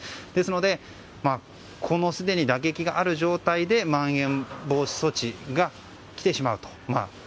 ですのですでに打撃がある状態でまん延防止措置がきてしまうと。